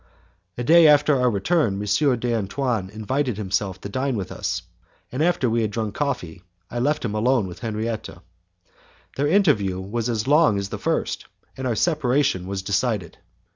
The day after our return M. d'Antoine invited himself to dine with us, and after we had drunk coffee, I left him alone with Henriette. Their interview was as long as the first, and our separation was decided.